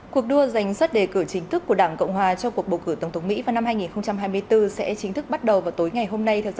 cuộc đua giành sắt đề cử chính thức của đảng cộng hòa cho cuộc bầu cử tổng thống mỹ vào năm hai nghìn hai mươi bốn sẽ chính thức bắt đầu vào tối ngày hôm nay theo giờ